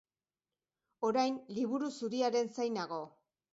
Orain Liburu Zuriaren zain nago.